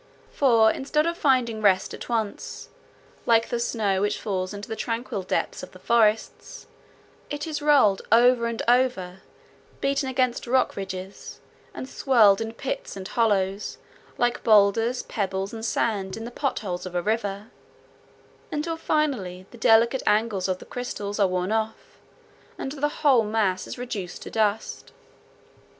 For, instead of finding rest at once, like the snow which falls into the tranquil depths of the forests, it is rolled over and over, beaten against rock ridges, and swirled in pits and hollows, like boulders, pebbles, and sand in the pot holes of a river, until finally the delicate angles of the crystals are worn off, and the whole mass is reduced to dust.